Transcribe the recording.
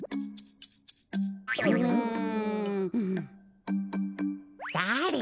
うん。だれ？